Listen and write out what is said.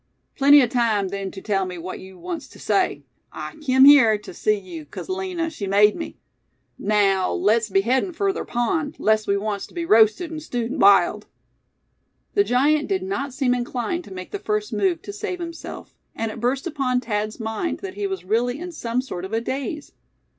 Plenty o' time then tew tell me what yew wants tew say. I kim hyar tew see yew 'cause Lina, she made me. Naow, let's be headin' fur ther pond, 'less we wants tew be roasted an' stewed an' b'iled." The giant did not seem inclined to make the first move to save himself; and it burst upon Thad's mind that he was really in some sort of a daze.